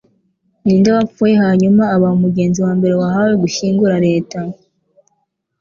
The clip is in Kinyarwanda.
Ninde wapfuye hanyuma aba umugenzi wa mbere wahawe gushyingura leta?